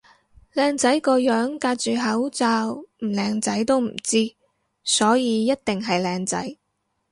靚仔個樣隔住口罩唔靚仔都唔知，所以一定係靚仔